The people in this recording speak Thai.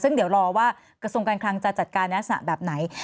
ซึ่งเดี๋ยวรอว่ากระทรวงการคลังจะจัดการในลักษณะแบบไหน